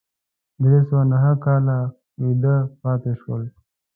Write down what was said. درې سوه نهه کاله ویده پاتې شول.